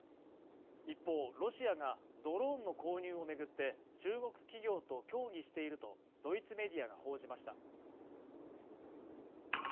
一方、ロシアがドローンの購入を巡って中国企業と協議しているとドイツメディアが報じました。